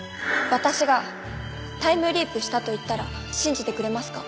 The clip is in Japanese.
私がタイムリープしたと言ったら信じてくれますか？